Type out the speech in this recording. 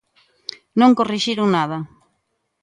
¡Non corrixiron nada!